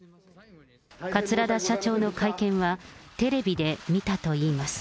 桂田社長の会見はテレビで見たといいます。